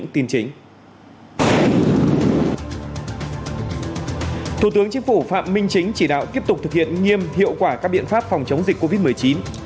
thủ tướng chính phủ phạm minh chính chỉ đạo tiếp tục thực hiện nghiêm hiệu quả các biện pháp phòng chống dịch covid một mươi chín